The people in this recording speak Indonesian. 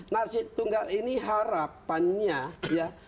narsi tunggal ini harapannya ya